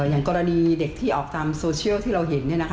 อย่างกรณีเด็กที่ออกตามโซเชียลที่เราเห็น